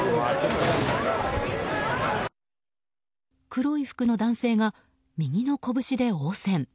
黒い服の男性が右のこぶしで応戦。